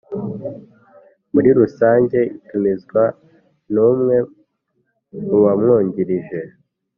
muri rusange itumizwa n umwe mu bamwungirije